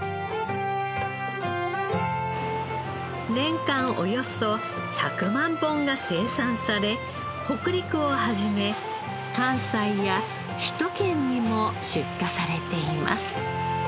年間およそ１００万本が生産され北陸を始め関西や首都圏にも出荷されています。